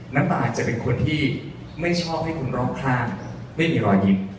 น้ำตาอาจจะเป็นคนที่ไม่ชอบให้คนรอบข้างไม่มีรอยยิ้ม